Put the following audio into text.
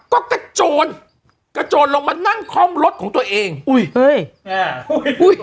ก็กระโจนกระโจนลงมานั่งคล่อมรถของตัวเองอุ้ยเฮ้ยอ่าอุ้ยอุ้ย